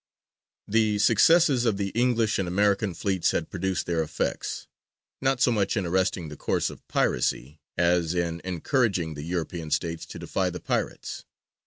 The successes of the English and American fleets had produced their effects, not so much in arresting the course of piracy, as in encouraging the European States to defy the pirates.